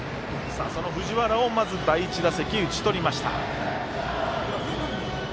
その藤原を第１打席打ち取りました。